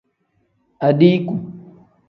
Adiiku.